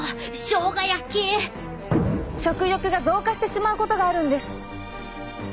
食欲が増加してしまうことがあるんです！